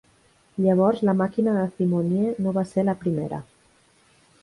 Llavors la màquina de Thimonnier no va ser la primera.